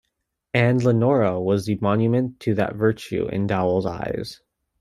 And Leonora was the monument to that virtue in Dowell's eyes.